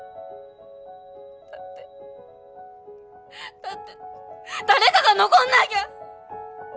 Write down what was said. だってだって誰かが残んなぎゃ！